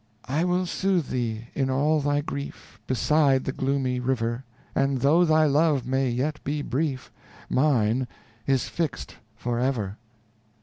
I will soothe thee, in all thy grief, Beside the gloomy river; And though thy love may yet be brief; Mine is fixed forever.